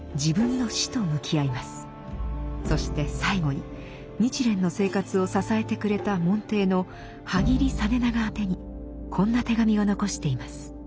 そして最後に日蓮の生活を支えてくれた門弟の波木井実長宛てにこんな手紙を残しています。